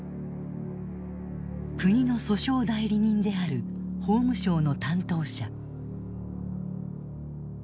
国の訴訟代理人である法務省の担当者。